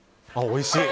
おいしい！